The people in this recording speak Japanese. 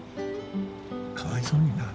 かわいそうにな。